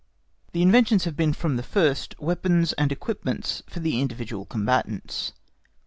The inventions have been from the first weapons and equipments for the individual combatants.